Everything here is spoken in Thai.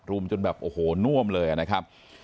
จนแบบโอ้โหน่วมเลยนะครับ